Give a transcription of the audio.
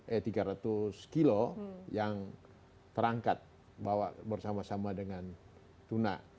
eh tiga ratus kilo yang terangkat bawa bersama sama dengan tuna